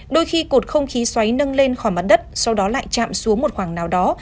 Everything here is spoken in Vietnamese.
đôi khi cột không khí xoáy nâng lên khỏi mặt đất sau đó lại chạm xuống một khoảng nào đó